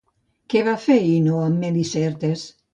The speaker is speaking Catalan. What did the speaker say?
Què va fer Ino amb Melicertes?